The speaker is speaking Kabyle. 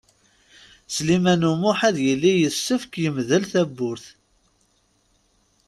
Sliman U Muḥ ad yili yessefk yemdel tawwurt.